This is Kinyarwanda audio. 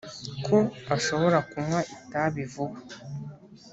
ko ashobora kunywa itabi vuba